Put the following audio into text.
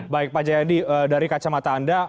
baik pak jayadi dari kacamata anda